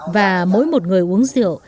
và mỗi một người uống rượu